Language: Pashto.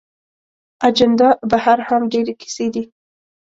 اجندا بهر هم ډېرې کیسې دي.